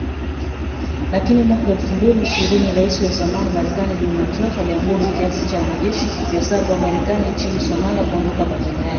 Lakini mwaka elfu mbili ishirini Rais wa zamani Marekani Donald Trump aliamuru kiasi cha wanajeshi Mia saba wa Marekani nchini Somalia kuondoka badala yake